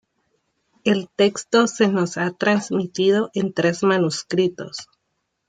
El texto se nos ha transmitido en tres manuscritos.